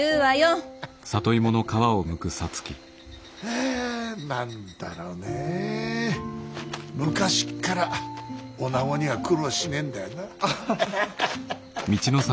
はあ何だろねえ昔っから女子には苦労しねえんだよな。